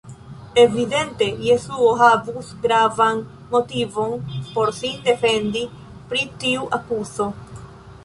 Evidente Jesuo havus gravan motivon por sin defendi pri tiu akuzo.